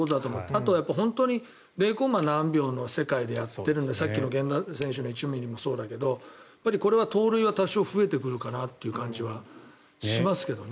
あとは本当に０コンマ何秒の世界でやっているので、さっきの源田選手の１ｍｍもそうだけどこれは盗塁は多少増えてくるかなという感じはしますけどね。